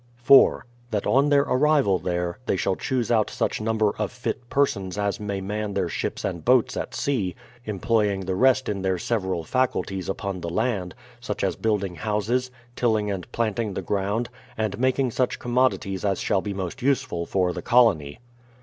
4. That on their arrival there, they shall chose out such number of fit persons as may man their ships and boats at sea; employing the rest in their several faculties upon the land, such as building houses, tilling and planting the ground, and making such com modities as shall be most useful for the colony.